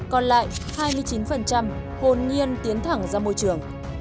còn lại hai mươi chín hồn nhiên tiến thẳng ra môi trường